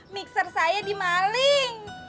mixer saya dimaling